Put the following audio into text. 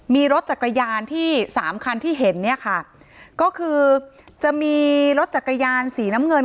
มีรถจักรยานที่๓คันที่เห็นคือจะมีรถจักรยานสีน้ำเงิน